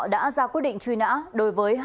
đã ra quyết định truy nã đối với